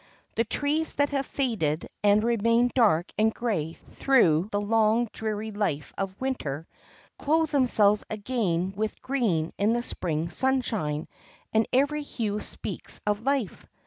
The trees that have faded and remained dark and gray through the long, dreary life of Winter clothe themselves again with green in the Spring sunshine, and every hue speaks of life.